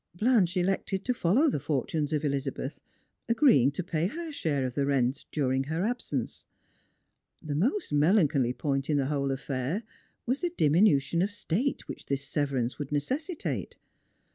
Blanche elected to follow the fortunes of Elizabeth, agrtieing to pay her share of the rent during her ab sence. The most melancholy point in the whole affair was the diminution of state which this severance would necessitate.